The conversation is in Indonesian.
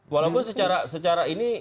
walaupun secara ini